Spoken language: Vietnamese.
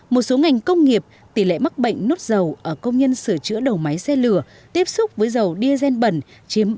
một số ngành công nghiệp tỷ lệ mắc bệnh nốt dầu ở công nhân sửa chữa đầu máy xe lửa tiếp xúc với dầu diazen bẩn chiếm ba mươi bốn tám